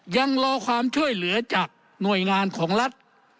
ยังรอความช่วยเหลือจากหน่วยงานของรัฐ